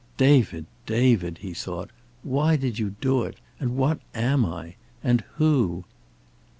"David, David!" he thought. "Why did you do it? And what am I? And who?"